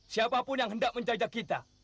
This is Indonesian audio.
siapapun yang hendak menjajak kita